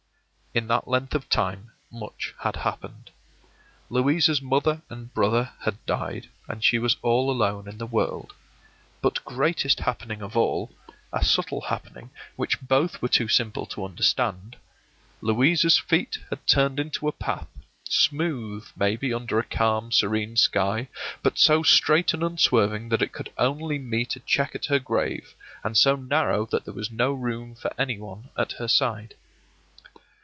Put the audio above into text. In that length of time much had happened. Louisa's mother and brother had died, and she was all alone in the world. But greatest happening of all — a subtle happening which both were too simple to understand — Louisa's feet had turned into a path, smooth maybe under a calm, serene sky, but so straight and unswerving that it could only meet a check at her grave, and so narrow that there was no room for any one at her side.